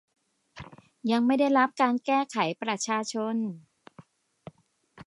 ยังไม่ได้รับการแก้ไขประชาชน